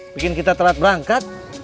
bikin kita terlalu berangkat